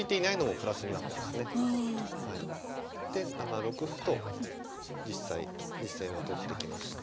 で７六歩と実際実戦は取ってきました。